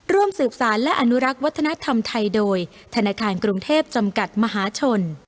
ร่วมสืบสารและอนุรักษ์วัฒนธรรมไทยโดยธนาคารกรุงเทพจำกัดมหาชน